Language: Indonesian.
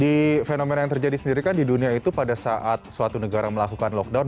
di fenomena yang terjadi sendiri kan di dunia itu pada saat suatu negara melakukan lockdown